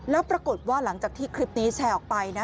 แล้วปรากฏว่าหลังจากที่คลิปนี้แชร์ออกไปนะ